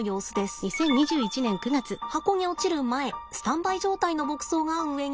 箱に落ちる前スタンバイ状態の牧草が上にあります。